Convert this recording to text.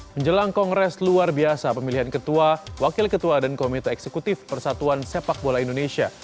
menjelang kongres luar biasa pemilihan ketua wakil ketua dan komite eksekutif persatuan sepak bola indonesia